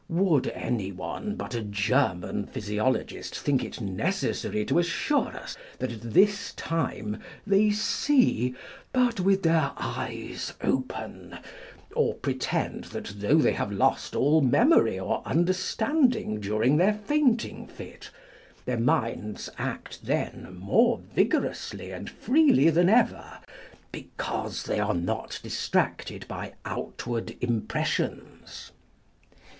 Would anyone but a German physi ologist think it necessary to assure us that at this time they see, but with their eyes open, or pretend that though they have lost all memory or understanding during their fainting fit, their minds act then more vigorously and freely than ever, because they are not distracted by out ward impressions